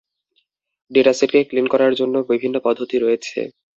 ডেটাসেটকে clean করার জন্য বিভিন্ন পদ্ধতি রয়েছে।